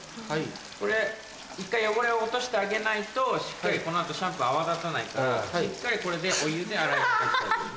これ一回汚れを落としてあげないとしっかりこの後シャンプー泡立たないからしっかりこれでお湯で洗い流してあげるね。